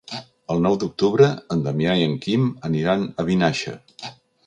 El nou d'octubre en Damià i en Quim aniran a Vinaixa.